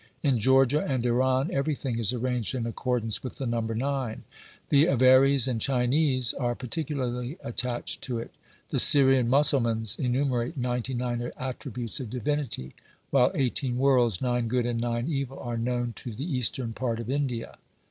In Georgia and Iran, every thing is arranged in accordance with the number nine ; the Avares and Chinese are particularly attached to it. The Syrian Mussulmans enumerate ninety nine attributes of Divinity, while eighteen worlds, nine good and nine evil, are known to the Eastern part of India.